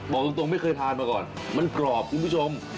บอกตรงไม่เคยทานมาก่อนมันกรอบคุณผู้ชม